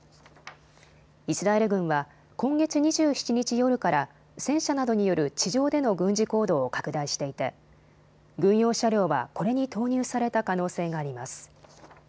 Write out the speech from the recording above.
イスラエル軍は今月２７日夜から戦車などによる地上での軍事行動を拡大していて軍用車両はこれに投入された可能性があります。